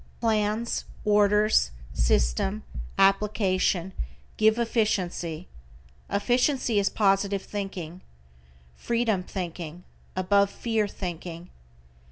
Plans, orders, system, application, give efficiency. Efficiency is positive thinking. Freedom thinking, above fear thinking.